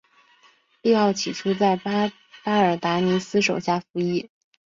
利奥起初在巴尔达尼斯手下服役。